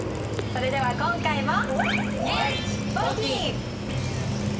それでは今回も。